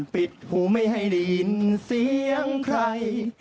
ปิดหูไม่ให้ได้ยินเสียงใคร